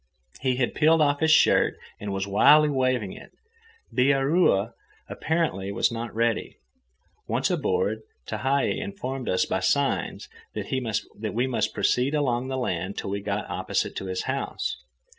He had peeled off his shirt and was wildly waving it. Bihaura apparently was not ready. Once aboard, Tehei informed us by signs that we must proceed along the land till we got opposite to his house.